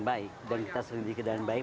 baik dan kita sering dikejar baik